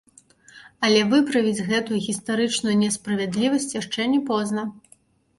Але выправіць гэтую гістарычную несправядлівасць яшчэ не позна.